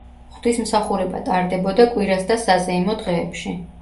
ღვთისმსახურება ტარდებოდა კვირას და საზეიმო დღეებში.